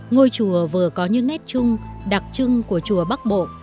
ngôi chùa vừa có những nét chung đặc trưng của chùa bắc bộ